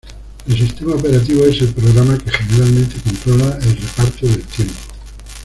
El sistema operativo es el programa que generalmente controla el reparto del tiempo.